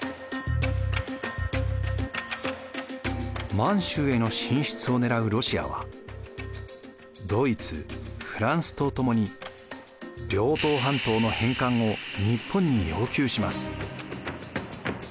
満州への進出を狙うロシアはドイツフランスとともに東半島の返還を日本に要求します。